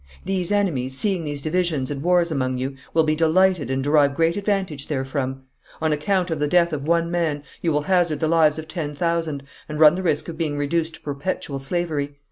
These enemies, seeing these divisions and wars among you, will be delighted and derive great advantage therefrom. On account of the death of one man you will hazard the lives of ten thousand, and run the risk of being reduced to perpetual slavery.